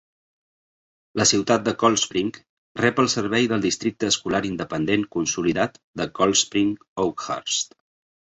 La ciutat de Coldspring rep el servei del districte escolar independent consolidat de Coldspring-Oakhurst.